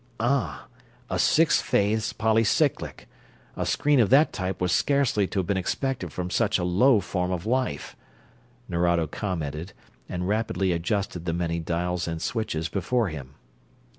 "Ah, a sixth phase polycyclic. A screen of that type was scarcely to have been expected from such a low form of life," Nerado commented, and rapidly adjusted the many dials and switches before him.